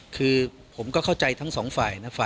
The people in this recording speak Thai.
คือผมก็เข้าใจทั้งสองฝ่ายนะ